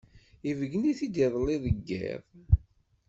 ibeggen-it-id iḍelli deg yiḍ.